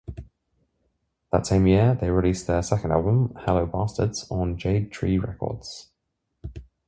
That same year, they released their second album, "Hello Bastards" on Jade Tree Records.